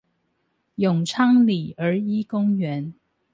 永昌里兒一公園